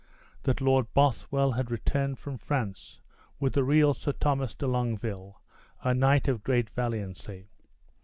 That Lord Bothwell had returned from France with the real Sir Thomas de Longueville, a knight of great valiancy.